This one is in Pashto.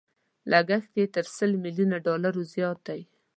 لګښت يې تر سل ميليونو ډالرو زيات دی.